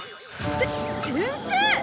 せ先生！